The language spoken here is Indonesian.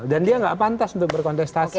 dan dia enggak pantas untuk berkontestasi